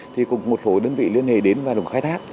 thì cũng một số đơn vị liên hệ đến và đồng khai thác